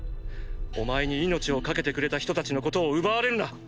お前に命を賭けてくれた人たちのことを奪われるな！